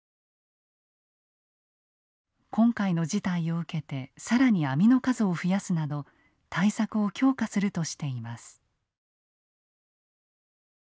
今回の事態を受けて更に網の数を増やすなど対策を強化するとしています。